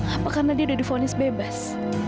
apa karena dia sudah difonis bebas